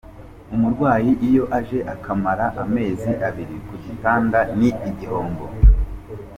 Umurwayi iyo aje akamara amezi abiri ku gitanda ni igihombo.